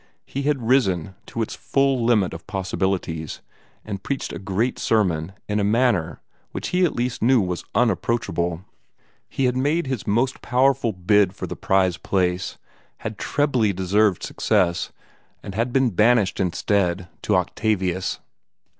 He had risen to its full limit of possibilities, and preached a great sermon in a manner which he at least knew was unapproachable. He had made his most powerful bid for the prize place, had trebly deserved success and had been banished instead to Octavius!